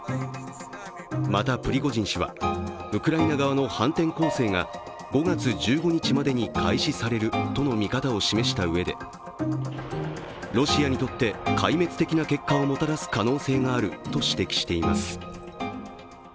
また、プリゴジン氏は、ウクライナ側の反転攻勢が５月１５日までに開始されるとの見方を示したうえでロシアにとって壊滅的な結果をもたらす可能性があると指摘しています。